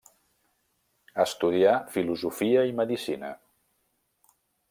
Estudià filosofia i medicina.